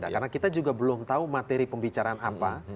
karena kita juga belum tahu materi pembicaraan apa